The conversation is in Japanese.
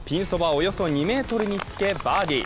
およそ２ｍにつけバーディー。